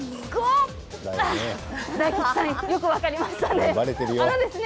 大吉さん、よく分かりましたね。